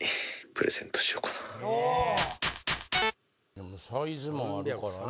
でもサイズもあるからね。